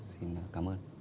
xin cảm ơn